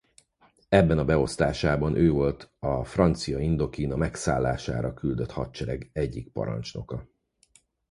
Ebben a beosztásában ő volt a Francia Indokína megszállására küldött hadsereg egyik parancsnoka.